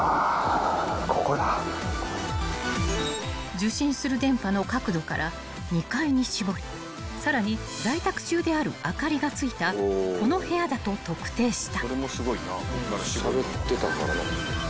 ［受信する電波の角度から２階に絞りさらに在宅中である明かりがついたこの部屋だと特定した］